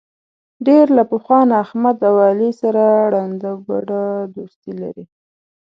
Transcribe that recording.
ډېر له پخوا نه احمد او علي سره ړنده ګوډه دوستي لري.